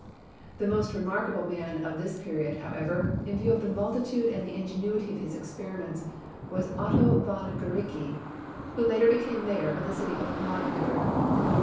The most remarkable man of this period, however, in view of the multitude and the ingenuity of his experiments, was Otto von Guericke, who later became mayor of the city of Magdeburg.